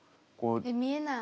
見えない！